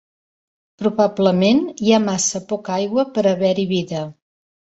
Probablement hi ha massa poca aigua per haver-hi vida.